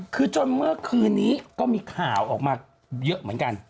คือจนเมื่อคืนนี้ก็มีข่าวออกมาเยอะเหมือนกัน